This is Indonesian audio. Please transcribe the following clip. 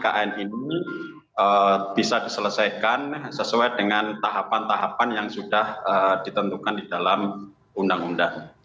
kkn ini bisa diselesaikan sesuai dengan tahapan tahapan yang sudah ditentukan di dalam undang undang